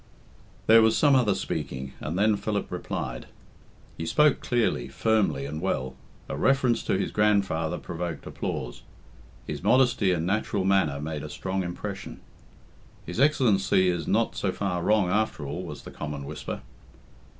There was some other speaking, and then Philip replied. He spoke clearly, firmly, and well. A reference to his grandfather provoked applause. His modesty and natural manner made a strong impression. "His Excellency is not so far wrong, after all," was the common whisper.